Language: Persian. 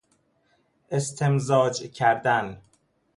استمزاج کردن